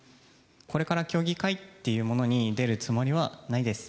これから競技会っていうものに出るつもりはないです。